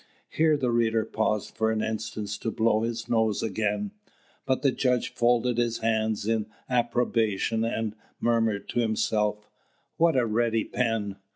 Here the reader paused for an instant to blow his nose again; but the judge folded his hands in approbation and murmured to himself, "What a ready pen!